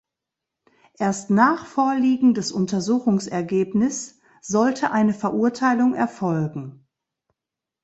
Erst nach Vorliegen des Untersuchungsergebnis sollte eine Verurteilung erfolgen.